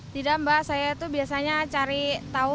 tidak mbak saya itu biasanya cari tahu